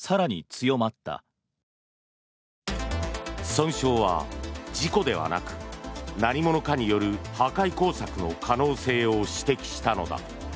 損傷は事故ではなく何者かによる破壊工作の可能性を指摘したのだ。